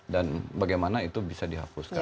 bagaimana itu bisa dihapuskan